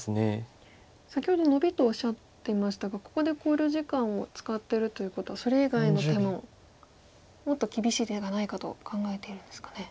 先ほどノビとおっしゃっていましたがここで考慮時間を使ってるということはそれ以外の手ももっと厳しい手がないかと考えているんですかね。